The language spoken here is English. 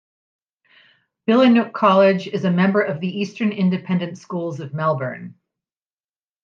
Billanook College is a member of the Eastern Independent Schools of Melbourne.